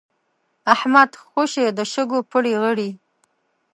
احمد خوشی د شګو پړي غړي.